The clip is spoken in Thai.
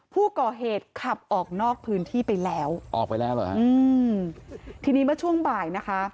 ผู้ก่อเหตุขับออกนอกพื้นที่ไปแล้วออกไปแล้วเหรอฮะอืมทีนี้เมื่อช่วงบ่ายนะคะ